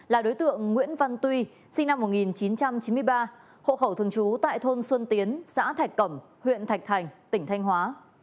là đối tượng nguyễn văn tuy sinh năm một nghìn chín trăm chín mươi ba hộ khẩu thường trú tại thôn xuân tiến xã thạch cẩm huyện thạch thành tỉnh thanh hóa